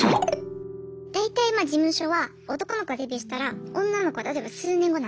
大体事務所は男の子がデビューしたら女の子例えば数年後なんですよ。